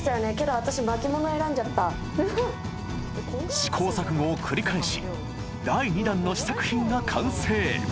［試行錯誤を繰り返し第２弾の試作品が完成］